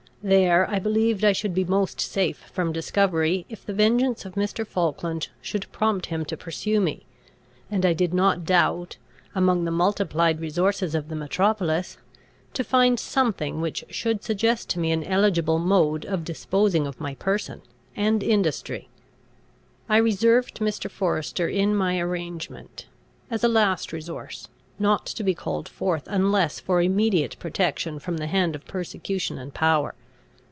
There I believed I should be most safe from discovery, if the vengeance of Mr. Falkland should prompt him to pursue me; and I did not doubt, among the multiplied resources of the metropolis, to find something which should suggest to me an eligible mode of disposing of my person and industry. I reserved Mr. Forester in my arrangement, as a last resource, not to be called forth unless for immediate protection from the hand of persecution and power.